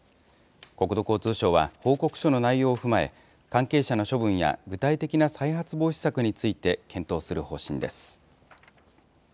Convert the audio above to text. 国土交通省は報告書の内容を踏まえ、関係者の処分や具体的な再発防止策について検討する方針です。